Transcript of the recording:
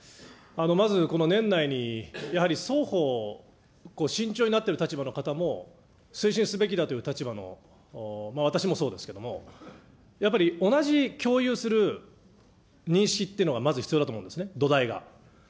まずこの年内にやはり双方慎重になってる立場の方も、推進すべきだという立場の、私もそうですけども、やっぱり同じ共有する認識っていうのがまず必要だと思うんですね、土台が。